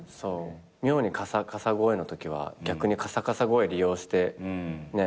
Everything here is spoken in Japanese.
妙にカサカサ声のときは逆にカサカサ声利用して。